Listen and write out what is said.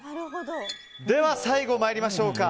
では最後、参りましょうか。